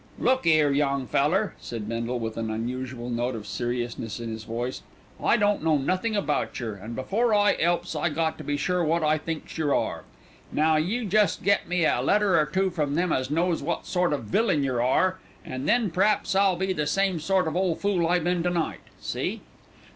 "Look 'ere, young feller," said Bindle, with an unusual note of seriousness in his voice, "I don't know nothink about yer, an' before I 'elps I got to be sure wot I thinks yer are. Now you jest get me a letter or two from them as knows wot sort of a villain yer are, an' then p'r'aps I'll be the same sort of ole fool I been to night. See?"